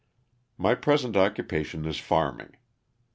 My present occupation is farming.